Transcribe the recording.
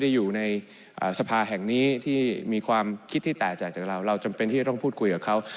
และก็ป้องกันเรื่องนี้โดยการที่เข้าใจว่า